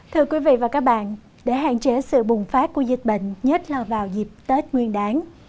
thưa quý vị và các bạn để hạn chế sự bùng phát của dịch bệnh nhất là vào dịp tết nguyên đáng